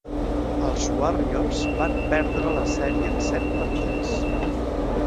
Els Warriors van perdre la sèrie en set partits.